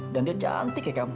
dan dia cantik ya kamu